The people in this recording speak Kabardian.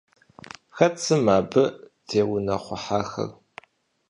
Хэт сымэ абы теунэхъуахэр?